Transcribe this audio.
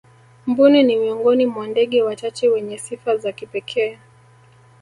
mbuni ni miongoni mwa ndege wachache wenye sifa za kipekee